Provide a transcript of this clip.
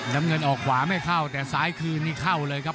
น้ำเงินออกขวาไม่เข้าแต่ซ้ายคืนนี่เข้าเลยครับ